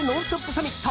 サミット。